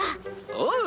おう！